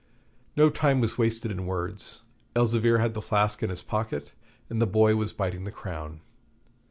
No time was wasted in words; Elzevir had the flask in his pocket, and the boy was biting the crown.